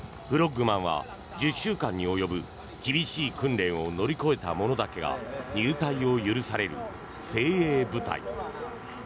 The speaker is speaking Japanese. フロッグマンは１０週間に及ぶ厳しい訓練を乗り越えた者だけが入隊を許される精鋭部隊。